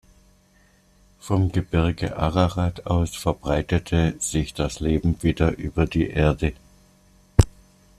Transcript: Vom Gebirge Ararat aus verbreitete sich das Leben wieder über die Erde.